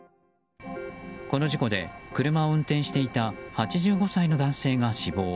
この事故で、車を運転していた８５歳の男性が死亡。